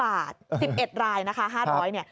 บาท๑๑รายนะคะ๕๐๐เนี่ย